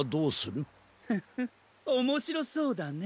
フフッおもしろそうだね。